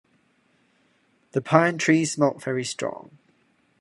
The pine-trees smelled very strong.